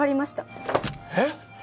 えっ！？